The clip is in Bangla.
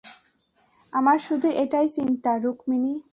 আমার শুধু এটাই চিন্তা, রুকমিনি।